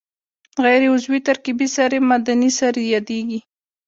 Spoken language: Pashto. غیر عضوي ترکیبي سرې معدني سرې یادیږي.